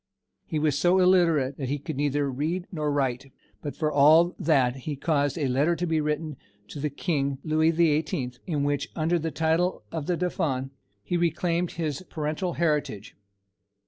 He was so illiterate that he could neither read nor write; but for all that he caused a letter to be written to the King, Louis the Eighteenth, in which, under the title of the Dauphin, he reclaimed his paternal heritage.